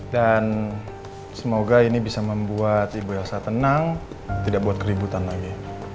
dan semoga ini bisa membuat ibu elsa tenang tidak buat keributan lagi